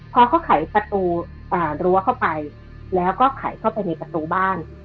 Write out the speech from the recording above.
พอเขาไขประตูรั้วเข้าไปแล้วก็ไขเข้าไปในประตูบ้าน